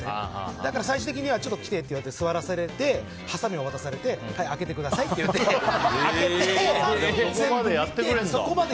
だから最終的にはちょっと来てって言われて座らされてはさみを渡されて開けてくださいって言われて開けて、全部見て。